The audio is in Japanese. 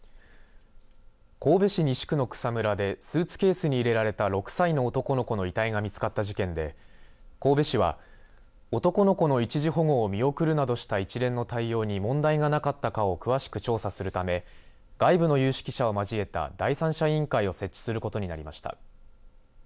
神戸市西区の草むらでスーツケースに入れられた６歳の男の子の遺体が見つかった事件で神戸市は男の子の一時保護を見送るなどした一連の対応に問題がなかったかを詳しく調査するため外部の有識者を交えた第三者委員会を設置することになりました。